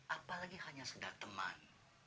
apalagi hanya sekedar teman